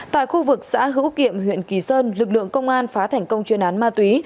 tại khu vực xã hữu kiệm huyện kỳ sơn lực lượng công an phá thành công chuyên án ma túy